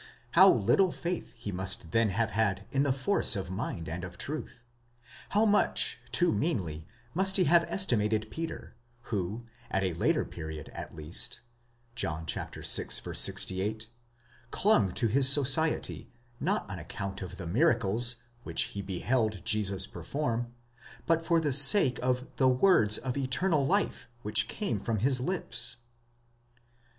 How little faith must he then have had in the force of mind and of truth! how much too meanly must he have estimated Peter, who, at a later period at least (John vi. 68), clung to his society, not on account of the miracles which he beheld Jesus perform, but for the sake of the words of eternal life which came from his lips